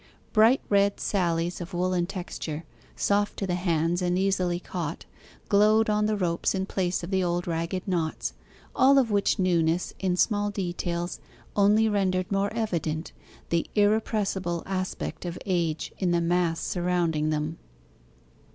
Bright red 'sallies' of woollen texture soft to the hands and easily caught glowed on the ropes in place of the old ragged knots, all of which newness in small details only rendered more evident the irrepressible aspect of age in the mass surrounding them.